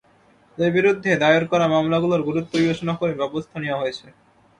তাদের বিরুদ্ধে দায়ের করা মামলাগুলোর গুরুত্ব বিবেচনা করে ব্যবস্থা নেওয়া হয়েছে।